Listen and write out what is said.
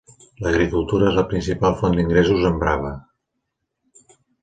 L'agricultura és la principal font d'ingressos en Brava.